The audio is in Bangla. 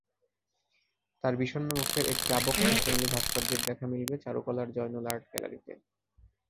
তাঁর বিষণ্ন মুখের একটি আবক্ষ সোনালি ভাস্কর্যের দেখা মিলবে চারুকলার জয়নুল আর্ট গ্যালারিতে।